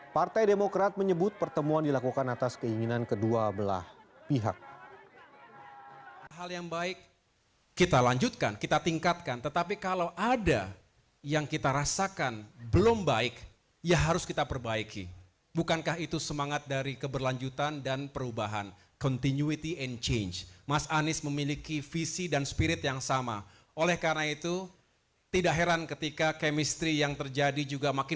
partai demokrat menyebut pertemuan dilakukan atas keinginan kedua belah pihak